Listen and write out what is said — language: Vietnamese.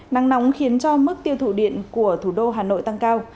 nắng nóng khiến cho mức tiêu thụ điện của thủ đô hà nội tăng cao